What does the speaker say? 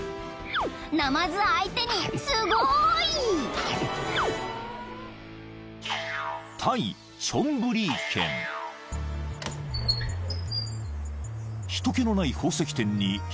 ［ナマズ相手にすごい］［人けのない宝石店に一人の男］